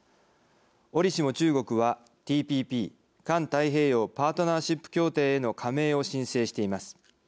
折しも中国はＴＰＰ＝環太平洋パートナーシップ協定への加盟を申請しています。